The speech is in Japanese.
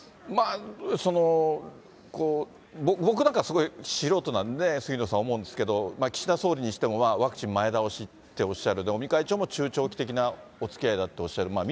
その僕なんか、すごい素人なんで、杉野さん、思うんですけど、岸田総理にしても、ワクチン前倒しっておっしゃる、尾身会長も中長期的なおつきあいだっておっしゃる。